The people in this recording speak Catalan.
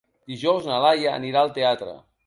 Dijous na Laia anirà al teatre.